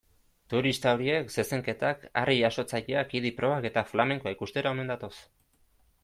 Turista horiek zezenketak, harri-jasotzaileak, idi-probak eta flamenkoa ikustera omen datoz.